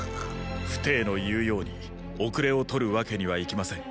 傅抵の言うように遅れをとるわけにはいきません。